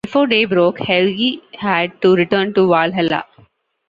Before day broke, Helgi had to return to Valhalla.